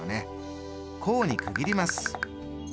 項に区切ります。